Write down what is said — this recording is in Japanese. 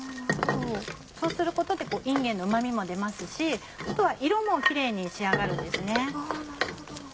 そうすることでいんげんのうま味も出ますし色もキレイに仕上がるんですね。